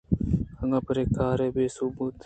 اگاں پرے کار ءَ بےسوب بوتے